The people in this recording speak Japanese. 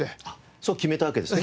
そう決めたわけですね？